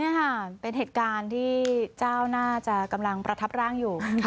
นี่ค่ะเป็นเหตุการณ์ที่เจ้าน่าจะกำลังประทับร่างอยู่